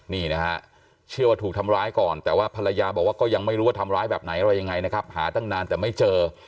นี่นะฮะเชื่อว่าถูกทำร้ายก่อนแต่ว่าภรรยาบอกว่าก็ยังไม่รู้ว่าทำร้ายแบบไหนอะไรยังไงนะครับหาตั้งนานแต่ไม่เจอ